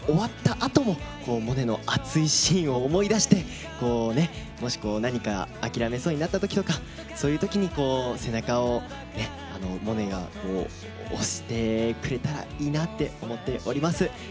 あとも「モネ」の熱いシーンを思い出してもしこう何か諦めそうになった時とかそういう時に背中をモネが押してくれたらいいなって思っております。